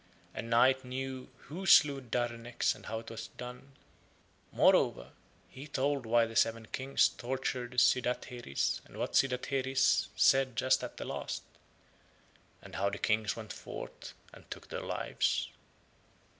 And Night knew who slew Darnex and how it was done. Moreover, he told why the seven Kings tortured Sydatheris and what Sydatheris said just at the last, and how the Kings went forth and took their lives.